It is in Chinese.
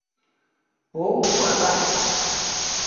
博物馆外